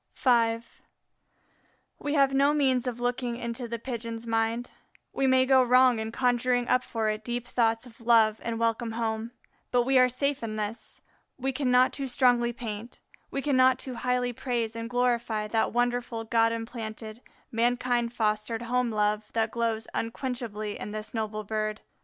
V We have no means of looking into the Pigeon's mind; we may go wrong in conjuring up for it deep thoughts of love and welcome home; but we are safe in this, we cannot too strongly paint, we cannot too highly praise and glorify that wonderful God implanted, mankind fostered home love that glows unquenchably in this noble bird.